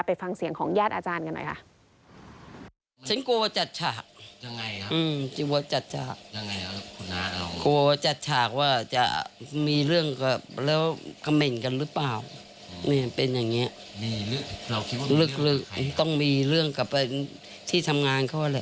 ฟังเสียงของญาติอาจารย์กันหน่อยค่ะ